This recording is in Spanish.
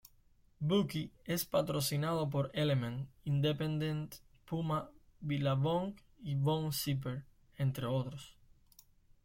Bucky es patrocinado por Element, Independent, Puma, Billabong y Von Zipper, entre otros.